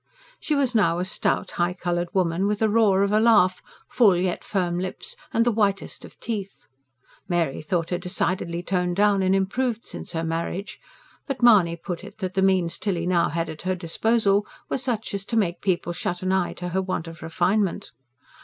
She was now a stout, high coloured woman with a roar of a laugh, full, yet firm lips, and the whitest of teeth. Mary thought her decidedly toned down and improved since her marriage; but Mahony put it that the means Tilly now had at her disposal were such as to make people shut an eye to her want of refinement.